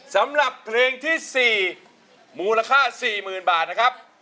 สำหรับเพลงที่๔มูลค่า๔๐๐๐บาทนะครับ